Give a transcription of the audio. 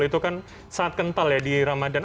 itu kan sangat kental ya di ramadan